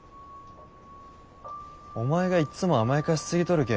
お前がいつも甘やかしすぎとるけん